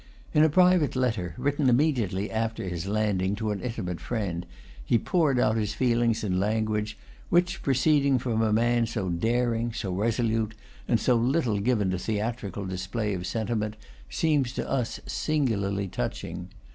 In a private letter, written immediately after his landing, to an intimate friend, he poured out his feelings in language, which, proceeding from a man so daring, so resolute, and so little given to theatrical display of sentiment, seems to us singularly touching.